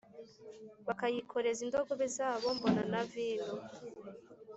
Bakayikoreza indogobe zabo mbona na vino